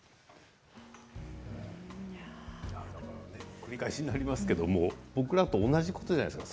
繰り返しになりますけれど僕らと同じことじゃないですか